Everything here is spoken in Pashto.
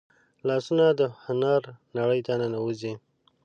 لاسونه د هنر نړۍ ته ننوځي